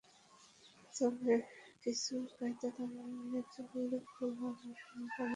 তবে কিছু কায়দাকানুন মেনে চললে ভুল হওয়ার আশঙ্কা অনেকটাই কমে যায়।